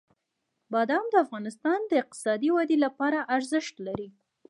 بادام د افغانستان د اقتصادي ودې لپاره ارزښت لري.